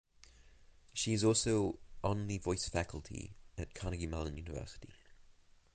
She is also on the Voice Faculty at Carnegie Mellon University.